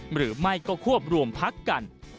หรือไม่ก็ควบรวมพักกัน